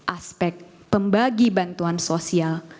aspek pembagi bantuan sosial